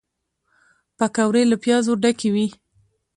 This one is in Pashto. پکورې له پیازو ډکې وي